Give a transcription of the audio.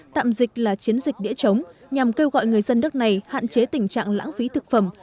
tạm dịch là chiến dịch đĩa chống nhằm kêu gọi người dân đất này hạn chế tình trạng lãng phí thực phẩm